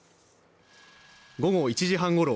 午後１時半ごろ